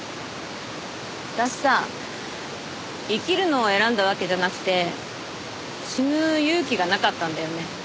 私さ生きるのを選んだわけじゃなくて死ぬ勇気がなかったんだよね。